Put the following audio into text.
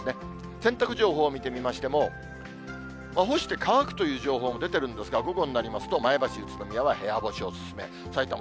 洗濯情報を見てみましても、干して乾くという情報も出てるんですが、午後になりますと、前橋、宇都宮は部屋干しをお勧め、さいたま、